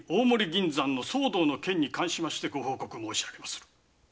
銀山の騒動の件に関しましてご報告申しあげまする。